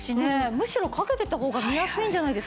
むしろかけてた方が見やすいんじゃないですか？